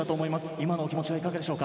今の気持ちは？